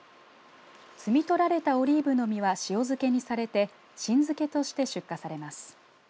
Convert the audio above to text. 摘み取られたオリーブの実は塩漬けにされて新漬けとして出荷されます。